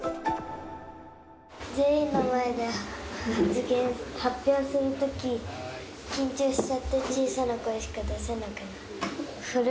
全員の前で発表するとき、緊張しちゃって、小さな声しか出せなくなる。